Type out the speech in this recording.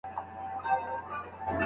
نه عمرونه مو کمیږي تر پېړیو